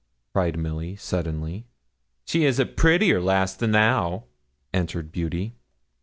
cried Milly, suddenly. 'She is a prettier lass than thou,' answered Beauty.